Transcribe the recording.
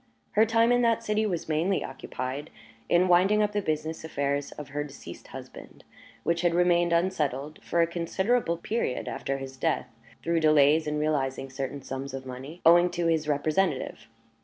Her time in that city was mainly occupied in winding up the business affairs of her deceased husband, which had remained unsettled for a considerable period after his death, through delays in realizing certain sums of money owing to his representative.